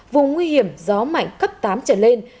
vùng nguy hiểm gió mạnh cấp tám trở lên